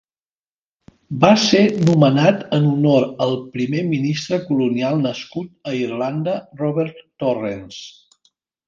Va ser nomenat en honor al primer ministre colonial nascut a Irlanda Robert Torrens.